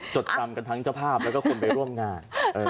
จดจำกันทั้งเจ้าภาพแล้วก็คนไปร่วมงาน